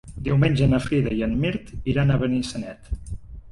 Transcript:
Diumenge na Frida i en Mirt iran a Benissanet.